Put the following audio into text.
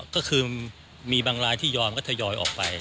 ก็คือมีบางรายที่ยอมก็ทยอยออกไป